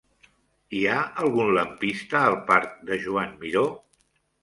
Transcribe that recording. Hi ha algun lampista al parc de Joan Miró?